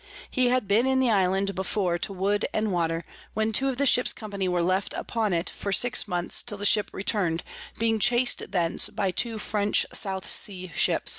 He had been in the Island before to wood and water, when two of the Ships Company were left upon it for six Months till the Ship return'd, being chas'd thence by two French South Sea Ships.